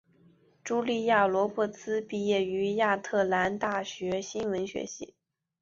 茱莉亚罗勃兹毕业于亚特兰大大学新闻学系。